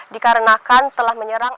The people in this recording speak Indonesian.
dikarenakan setelah menyerang